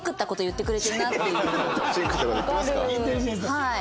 はい。